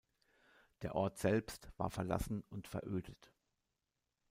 Der Ort selbst war verlassen und verödet.